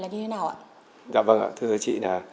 là như thế nào ạ dạ vâng ạ thưa thưa chị nè